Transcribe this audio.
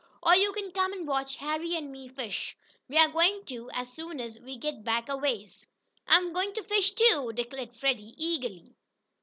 "Or you can come and watch Harry and me fish. We're going to as soon as we get back aways." "I'm going to fish, too," declared Freddie, eagerly.